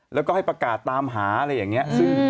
แล้วก็ให้ประกาศตามหาอะไรอย่างนี้